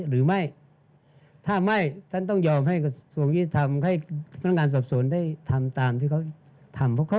ลูยพี่ประเทศไตรแสดงสารที่อยู่การปลูกูปคว่า